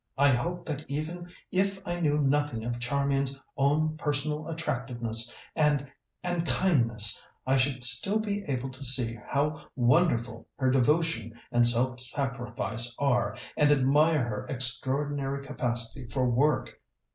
I hope that even if I knew nothing of Charmian's own personal attractiveness and and kindness, I should still be able to see how wonderful her devotion and self sacrifice are, and admire her extraordinary capacity for work.